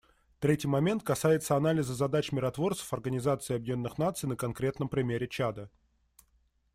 Третий момент касается анализа задач миротворцев Организации Объединенных Наций на конкретном примере Чада.